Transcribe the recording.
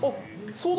そう。